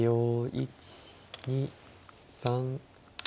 １２３４。